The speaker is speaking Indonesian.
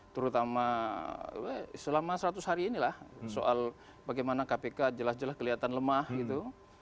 terutama selama seratus hari inilah soal bagaimana kpk jelas jelas kelihatan lemah gitu